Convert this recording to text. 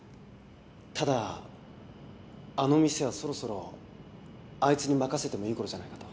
ただあの店はそろそろあいつに任せてもいいころじゃないかと。